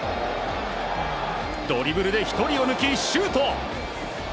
ドリブルで１人を抜きシュート！